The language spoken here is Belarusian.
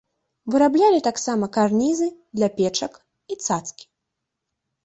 Выраблялі таксама карнізы для печак і цацкі.